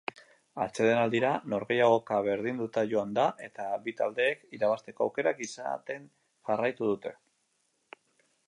Atsedenaldira norgehiagoka berdinduta joan da eta bi taldeek irabazteko aukerak izaten jarraitu dute.